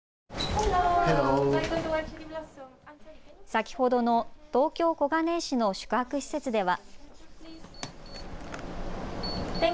先ほどの東京小金井市の宿泊施設では。